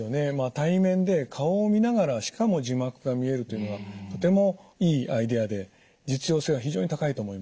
対面で顔を見ながらしかも字幕が見えるというのはとてもいいアイデアで実用性は非常に高いと思いますね。